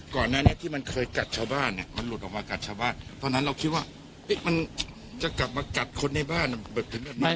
ก่อนหน้านี้ที่มันเคยกัดชาวบ้านเนี่ยมันหลุดออกมากัดชาวบ้านเพราะฉะนั้นเราคิดว่ามันจะกลับมากัดคนในบ้านแบบถึงแบบนั้น